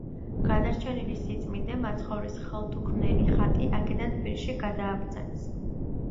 გადარჩენილი სიწმინდე, მაცხოვრის ხელთუქმნელი ხატი, აქედან თბილისში გადააბრძანეს.